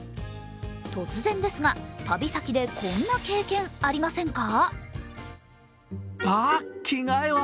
突然ですが、旅先でこんな経験ありませんか？